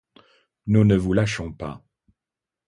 Nous ne vous lâchons pas.